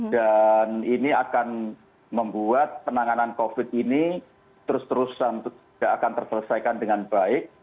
dan ini akan membuat penanganan covid ini terus terusan tidak akan terfelesaikan dengan baik